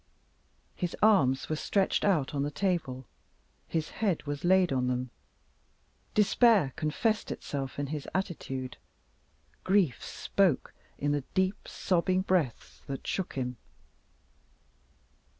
His arms were stretched out on the table; his head was laid on them, despair confessed itself in his attitude; grief spoke in the deep sobbing breaths that shook him.